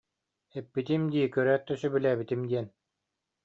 Эппитим дии көрөөт да сөбүлээбитим диэн